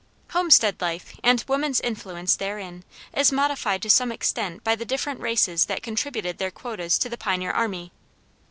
Homestead life, and woman's influence therein, is modified to some extent by the different races that contributed their quotas to the pioneer army.